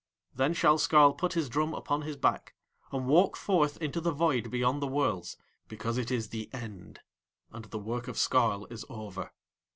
Then shall Skarl put his drum upon his back and walk forth into the void beyond the worlds, because it is THE END, and the work of Skarl is over.